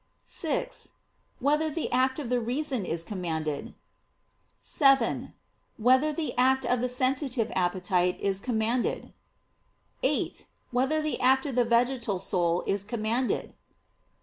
(6) Whether the act of the reason is commanded? (7) Whether the act of the sensitive appetite is commanded? (8) Whether the act of the vegetal soul is commanded?